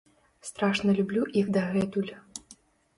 Страшна люблю іх дагэтуль.